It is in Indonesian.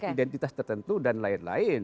identitas tertentu dan lain lain